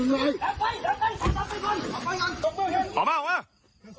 กลับมานี่สิ